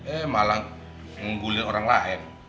eh malah menggulir orang lain